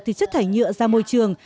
từ chất thải nhựa ra môi trường